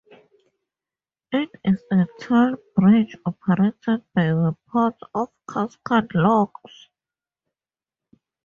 It is a toll bridge operated by the Port of Cascade Locks.